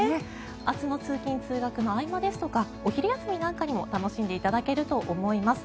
明日の通勤・通学の合間ですとかお昼休みなんかにも楽しんでいただけると思います。